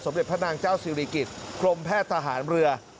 เด็จพระนางเจ้าสิริกิจกรมแพทย์ทหารเรือ